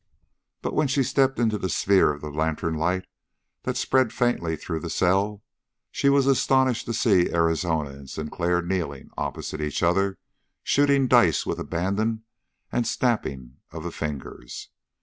But when she stepped into the sphere of the lantern light that spread faintly through the cell, she was astonished to see Arizona and Sinclair kneeling opposite each other, shooting dice with abandon and snapping of the fingers.